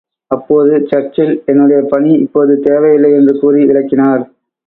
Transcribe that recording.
அப்போது சர்ச்சில், என்னுடைய பணி இப்போது தேவை இல்லை என்று கூறி விளக்கினார்.